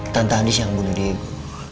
tante andis yang bunuh diego